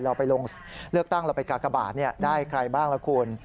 เราไปลงเลือกตั้งเราไปกากบาทได้ใครบ้างล่ะคุณ